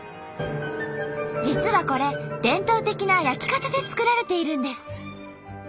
実はこれ伝統的な焼き方で作られているんです。